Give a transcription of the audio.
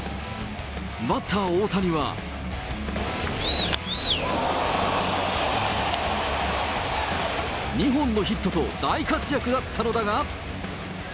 バッター、大谷は、２本のヒットと大活躍だったのだが。